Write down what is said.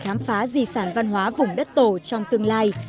khám phá di sản văn hóa vùng đất tổ trong tương lai